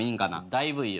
だいぶいいよ。